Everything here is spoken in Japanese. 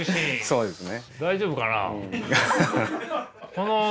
そうですね。